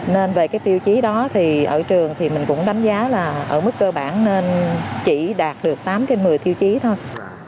nên về cái tiêu chí đó thì ở trường thì mình cũng đánh giá là ở mức cơ bản nên chỉ đạt được tám trên một mươi tiêu chí thôi